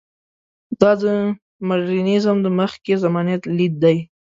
دا د مډرنیزم د مخکې زمانې لید دی.